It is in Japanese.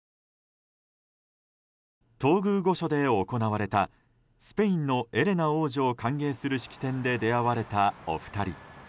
東宮御所で行われたスペインのエレナ王女を歓迎する式典で出会われたお二人。